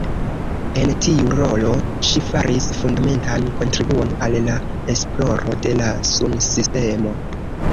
En tiu rolo, ŝi faris fundamentan kontribuon al la esploro de la sunsistemo.